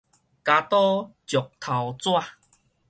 鉸刀石頭紙